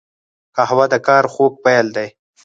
قهوه د کار خوږ پیل دی